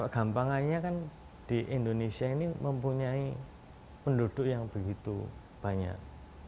gampangannya kan di indonesia ini mempunyai penduduk yang begitu banyak